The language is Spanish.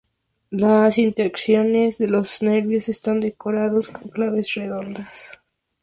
Las intersecciones de los nervios están decoradas con claves redondas.